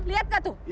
per lihat gak tuh